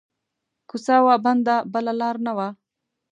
کو څه وه بنده بله لار نه وه